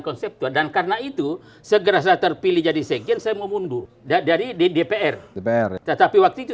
konseptual dan karena itu segera saya terpilih jadi sekjen saya mau mundur jadi di dpr dpr tetapi waktu itu